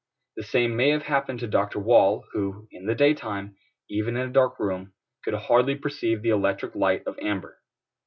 The same may have happened to Doctor Wall, who, in the daytime, even in a dark room, could hardly perceive the electric light of amber.